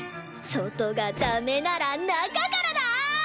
外がダメなら中からだ！